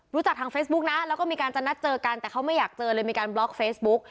ทางเฟซบุ๊กนะแล้วก็มีการจะนัดเจอกันแต่เขาไม่อยากเจอเลยมีการบล็อกเฟซบุ๊ก